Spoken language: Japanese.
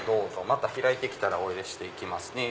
また開いて来たらお入れして行きますね。